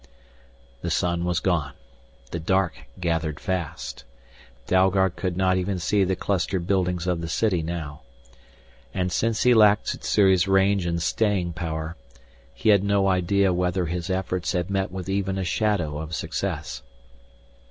The sun was gone, the dark gathered fast. Dalgard could not even see the clustered buildings of the city now. And since he lacked Sssuri's range and staying power, he had no idea whether their efforts had met with even a shadow of success.